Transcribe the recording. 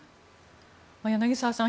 柳澤さん